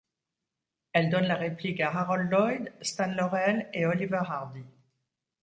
Elle donne la réplique à Harold Lloyd, Stan Laurel et Oliver Hardy.